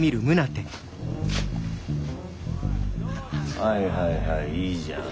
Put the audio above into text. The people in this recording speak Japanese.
はいはいはいいいじゃん。